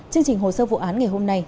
chương trình hồ sơ vụ án ngày hôm nay